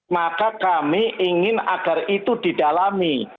maka kami ingin agar itu didalami